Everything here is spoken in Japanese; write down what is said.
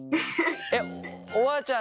えっおばあちゃん